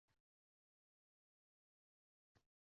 Qizining kayfiyatidagi noxushlikni sezgan